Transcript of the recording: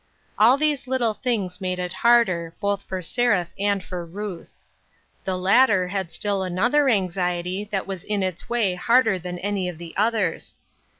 All these little things made it harder, both for Seraph and for Ruth. The latter had still another anxiety that was in its way harder than any of the others.